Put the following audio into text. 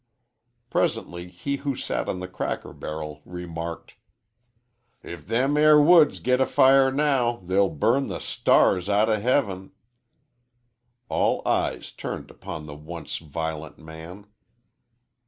"_ Presently he who sat on the cracker barrel remarked, "If them air woods git afire now, they'll burn the stars out o' heaven." All eyes turned upon the once violent man.